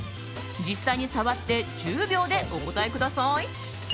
実際に触って１０秒でお答えください。